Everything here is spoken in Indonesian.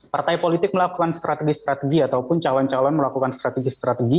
partai politik melakukan strategi strategi ataupun calon calon melakukan strategi strategi